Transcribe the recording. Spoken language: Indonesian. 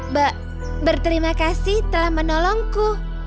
mbak berterima kasih telah menolongku